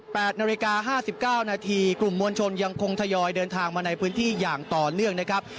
นาฬิกาห้าสิบเก้านาทีกลุ่มมวลชนยังคงทยอยเดินทางมาในพื้นที่อย่างต่อเนื่องนะครับ